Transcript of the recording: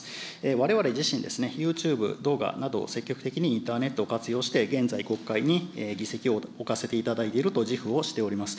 われわれ自身、ユーチューブ動画など、積極的にインターネットを活用して現在、国会に議席を置かせていただいていると自負をしております。